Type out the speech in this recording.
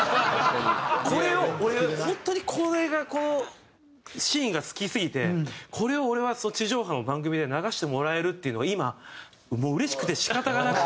これを俺本当にこれがこのシーンが好きすぎてこれを俺は地上波の番組で流してもらえるっていうのが今もううれしくて仕方がなくて。